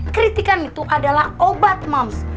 kritikan itu adalah obat moms